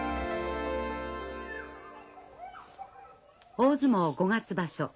大相撲五月場所